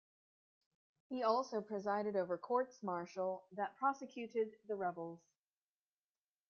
He also presided over courts martial that prosecuted the rebels.